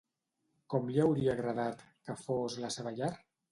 Com li hauria agradat que fos la seva llar?